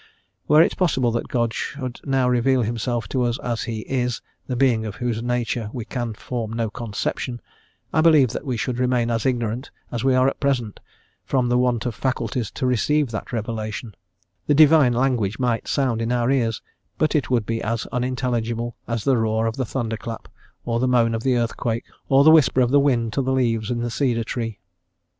Were it possible that God should now reveal Himself to us as He is, the Being of Whose Nature we can form no conception, I believe that we should remain as ignorant as we are at present, from the want of faculties to receive that revelation: the Divine language might sound in our ears, but it would be as unintelligible as the roar of the thunder clap, or the moan of the earthquake, or the whisper of the wind to the leaves of the cedar tree.